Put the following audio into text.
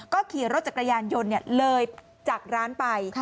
ก็ขี่รถจักรยานยนต์เลยจากร้านไป